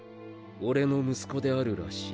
俺の息子であるらしい。